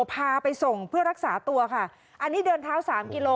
พาไปส่งเพื่อรักษาตัวค่ะอันนี้เดินเท้าสามกิโล